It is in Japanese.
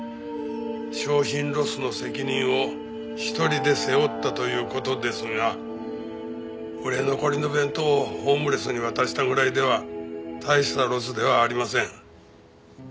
商品ロスの責任を一人で背負ったという事ですが売れ残りの弁当をホームレスに渡したぐらいでは大したロスではありません。